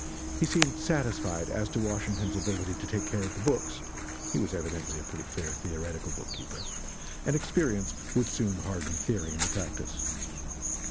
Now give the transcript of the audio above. He seemed satisfied as to Washington's ability to take care of the books, he was evidently a pretty fair theoretical bookkeeper, and experience would soon harden theory into practice.